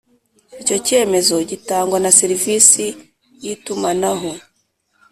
Icyo cyemezo gitangwa na serivisi y’itumanaho